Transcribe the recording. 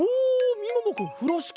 みももくんふろしき！